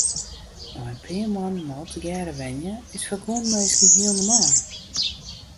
Nei in pear moannen al tegearre wenje is foar guon minsken hiel normaal.